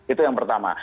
itu yang pertama